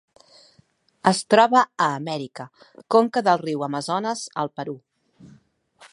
Es troba a Amèrica: conca del riu Amazones al Perú.